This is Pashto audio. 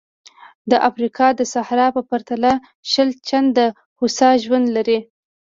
د افریقا د صحرا په پرتله شل چنده هوسا ژوند لري.